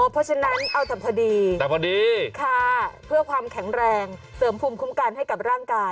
เพราะฉะนั้นเอาแต่พอดีแต่พอดีค่ะเพื่อความแข็งแรงเสริมภูมิคุ้มกันให้กับร่างกาย